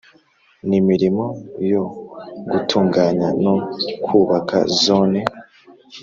N imirimo yo gutunganya no kubaka zone